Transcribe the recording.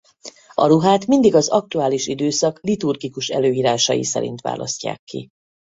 A ruhát mindig az aktuális időszak liturgikus előírásai szerint választják ki.